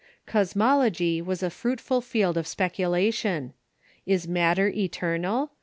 Cosmology was a fruitful field of speculation. "Is matter eternal?"